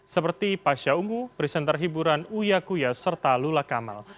seperti pasha ungu presenter hiburan uyakuya serta lula kamal